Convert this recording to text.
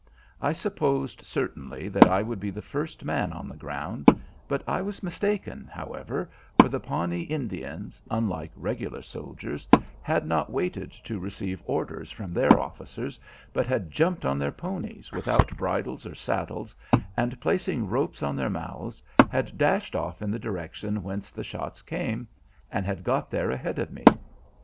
I supposed certainly that I would be the first man on the ground, but I was mistaken, however, for the Pawnee Indians, unlike regular soldiers, had not waited to receive orders from their officers, but had jumped on their ponies without bridles or saddles, and placing ropes in their mouths, had dashed off in the direction whence the shots came, and had got there ahead of me.